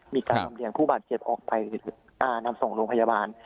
มีการลำเรียงผู้บาดเจ็บออกไปนำส่งโรงพยาบาล